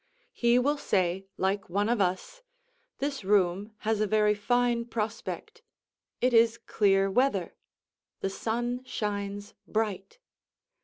He will say, like one of us, "This room has a very fine prospect; it is clear weather; the sun shines bright."